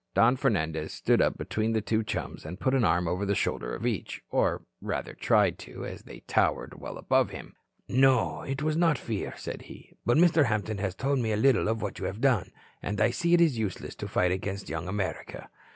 Don Fernandez stood up between the two chums, and put an arm over the shoulder of each or, rather, tried to, as they towered above him. "No, it was not fear," said he. "But Mr. Hampton has told me a little of what you have done, and I see it is useless to fight against Young America.